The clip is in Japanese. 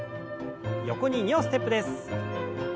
横に２歩ステップです。